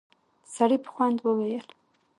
سړي په خوند وويل: